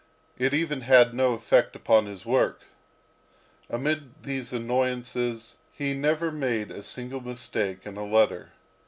It even had no effect upon his work. Amid all these annoyances he never made a single mistake in a letter.